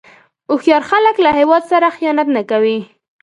هوښیار خلک له هیواد سره خیانت نه کوي.